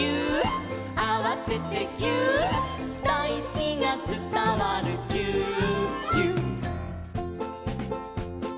「あわせてぎゅーっ」「だいすきがつたわるぎゅーっぎゅっ」